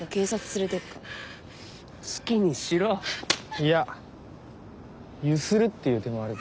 いやゆするっていう手もあるぞ。